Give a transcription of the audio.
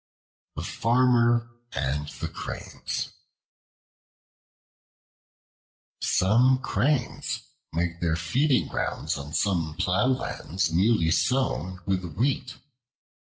The Farmer and the Cranes SOME CRANES made their feeding grounds on some plowlands newly sown with wheat.